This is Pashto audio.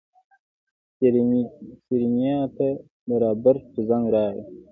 سېرېنا ته د رابرټ زنګ راغی.